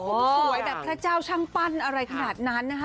สวยแบบพระเจ้าช่างปั้นอะไรขนาดนั้นนะคะ